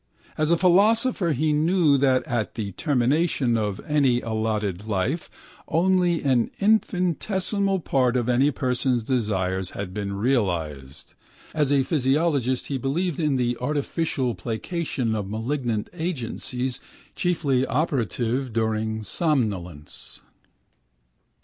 As a philosopher he knew that at the termination of any allotted life only an infinitesimal part of any person's desires has been realised. As a physiologist he believed in the artificial placation of malignant agencies chiefly operative during somnolence.